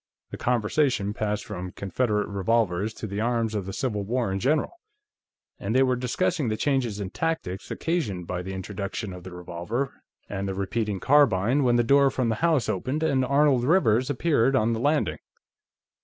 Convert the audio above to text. The conversation passed from Confederate revolvers to the arms of the Civil War in general, and they were discussing the changes in tactics occasioned by the introduction of the revolver and the repeating carbine when the door from the house opened and Arnold Rivers appeared on the landing.